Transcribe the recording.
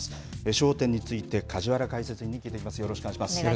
焦点について梶原解説委員に聞いてみます。